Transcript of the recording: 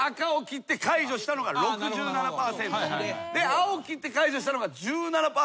青を切って解除したのが１７％なんです。